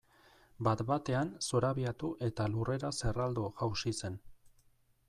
Bat batean zorabiatu eta lurrera zerraldo jausi zen.